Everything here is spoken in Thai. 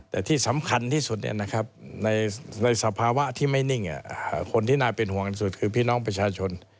แต่ที่สำคัญที่สุดในสภาวะที่ไม่นิ่งคนที่น่าเป็นห่วงกันสุดคือพี่น้องประชาชน